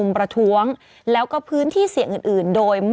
มีสารตั้งต้นเนี่ยคือยาเคเนี่ยใช่ไหมคะ